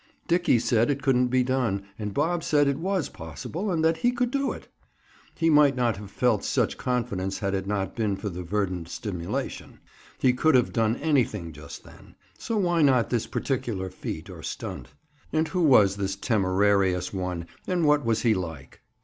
Dickie said it couldn't be done and Bob said it was possible and that he could do it. He might not have felt such confidence had it not been for the verdant stimulation. He could have done anything just then, so why not this particular feat or stunt? And who was this temerarious one and what was he like?